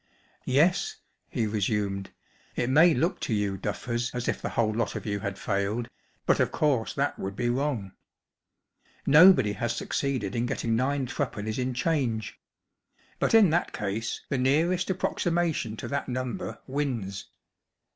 " Yes," he resumed, " it may look to you duffers as if the whole lot of you had failed, but of course that would be wrong. Nobody has succeeded in getting nine three pennies in change. But in that case the nearest approxi¬ mation to that number wins.